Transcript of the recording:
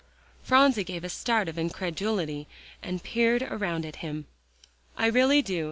Phronsie gave a start of incredulity and peered around at him. "I really do.